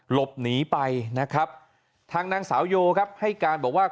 หลบหนีไปนะครับทางนางสาวโยครับให้การบอกว่า